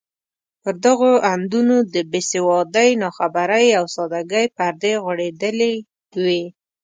پر دغو اندونو د بې سوادۍ، ناخبرۍ او سادګۍ پردې غوړېدلې وې.